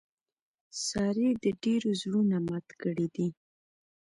سارې د ډېرو زړونه مات کړي دي.